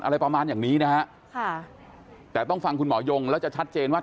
อะไรประมาณอย่างนี้นะฮะค่ะแต่ต้องฟังคุณหมอยงแล้วจะชัดเจนว่า